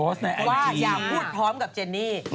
ว่าอย่าพูดพร้อมกับเจนนี่